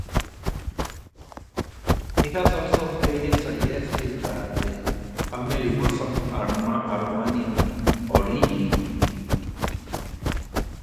It has also been suggested that the family was of Aromanian origin.